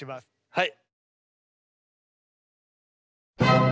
はい。